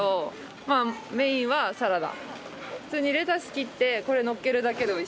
普通にレタス切ってこれのっけるだけでおいしいです。